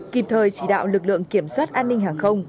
kịp thời chỉ đạo lực lượng kiểm soát an ninh hàng không